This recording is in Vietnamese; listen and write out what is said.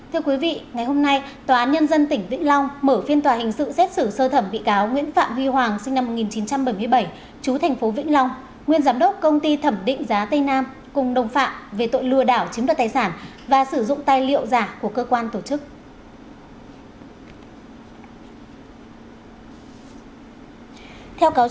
thưa quý vị ngày hôm nay tòa án nhân dân tỉnh vĩnh long mở phiên tòa hình sự xét xử sơ thẩm bị cáo nguyễn phạm huy hoàng sinh năm một nghìn chín trăm bảy mươi bảy chú thành phố vĩnh long nguyên giám đốc công ty thẩm định giá tây nam cùng đồng phạm về tội lừa đảo chiếm được tài sản và sử dụng tài liệu giả của cơ quan tổ chức